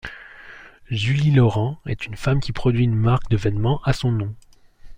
Julie Laurent est une femme qui produit une marque de vêtement à son nom.